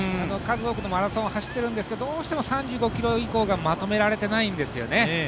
数多くのマラソンを走っているんですが、どうしても３５ｋｍ以降がまとめられていないんですよね。